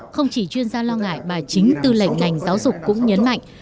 không chỉ chuyên gia lo ngại bà chính tư lệnh ngành giáo dục cũng nhấn mạnh